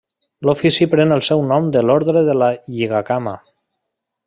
L'ofici pren el seu nom de l'orde de la Lligacama.